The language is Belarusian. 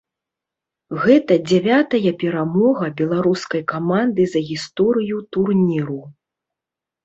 Гэта дзявятая перамога беларускай каманды за гісторыю турніру.